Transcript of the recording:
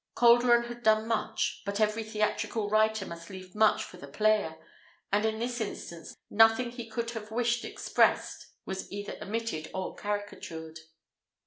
Calderon had done much, but every theatrical writer must leave much for the player; and, in this instance, nothing he could have wished expressed was either omitted or caricatured.